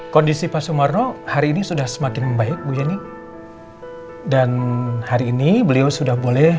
kondisi pak sumarno hari ini sudah semakin membaik bu yeni dan hari ini beliau sudah boleh